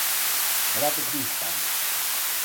Brad Greenspan